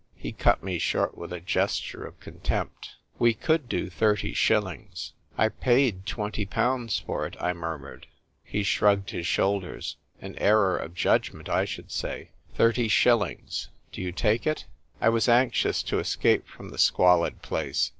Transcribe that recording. He cut me short with a gesture of con tempt. " We could do thirty shillings." "I paid twenty pounds for it," I murmured. He shrugged his shoulders. "An error of judgment, I should say. Thirty shillings. Do you take it ?" I was anxious to escape from the squalid place.